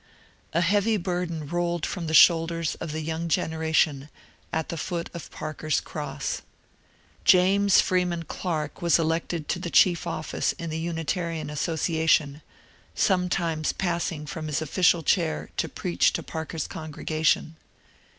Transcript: A heavy burden rolled from the shoulders of the young generation at the foot of Parker's cross. James Freeman Clarke was elected to the chief office in the Unitarian Asso ciation, sometimes passing from his official chair to preach to Parker's congregation.